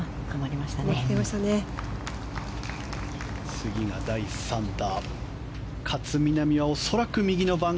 次が第３打。